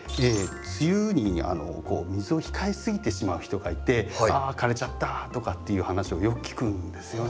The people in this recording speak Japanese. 梅雨に水を控えすぎてしまう人がいて「あ枯れちゃった」とかっていう話をよく聞くんですよね。